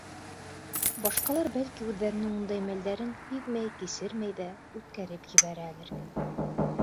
Башҡалар, бәлки, үҙҙәренең ундай мәлдәрен һиҙмәй-кисермәй ҙә үткәреп ебәрәлер.